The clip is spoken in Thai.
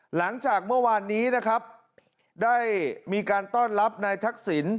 หลังจากเมื่อวานนี้นะครับได้มีการต้อนรับนายทักษิณ